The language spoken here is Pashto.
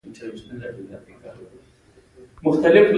بېنډۍ په ناز سره پخېږي